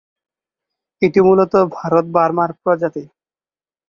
এটি মূলত ভারত-বার্মার প্রজাতি।